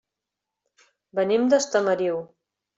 Venim d'Estamariu.